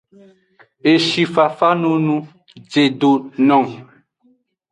Eshi fafa nunu jedo nung.